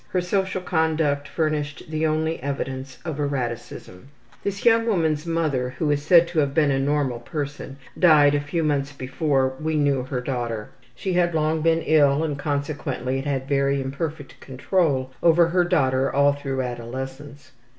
Her social conduct furnished the only evidence of erraticism. This young woman's mother, who is said to have been a normal person, died a few months before we knew her daughter. She had long been ill and consequently had had very imperfect control over her daughter all through adolescence.